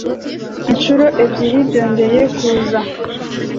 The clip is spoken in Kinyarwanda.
Inshuro ebyiri byongeye kuza